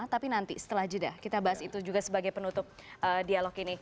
tapi nanti setelah jeda kita bahas itu juga sebagai penutup dialog ini